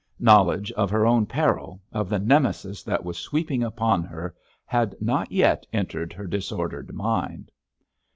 Knowledge of her own peril, of the Nemesis that was sweeping upon her, had not yet entered her disordered mind.